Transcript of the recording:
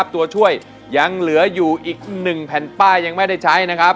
ตัวช่วยยังเหลืออยู่อีก๑แผ่นป้ายยังไม่ได้ใช้นะครับ